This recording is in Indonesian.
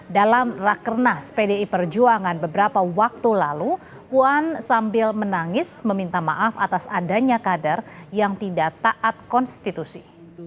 dalam rakernas pdi perjuangan beberapa waktu lalu puan sambil menangis meminta maaf atas adanya kader yang tidak taat konstitusi